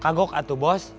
kagok atuh bos